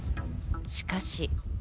しかし。